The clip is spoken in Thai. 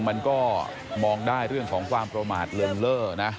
มันก็มองได้เรื่องของความประมาทเลินเล่อนะ